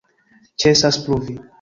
Ĉesas pluvi.